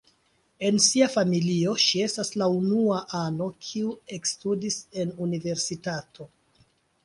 En sia familio ŝi estas la unua ano, kiu ekstudis en universitato.